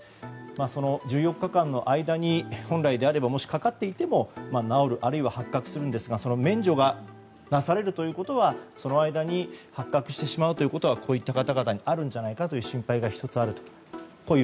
その１４日間の間に本来であればもし、かかっていても治る、あるいは発覚するんですがその免除がなされるということはその間に発覚してしまうことはこういった方々にあるんじゃないかという心配が１つ、あるという。